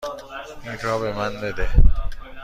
این را به من بده.